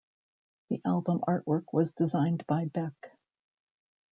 The album artwork was designed by Beck.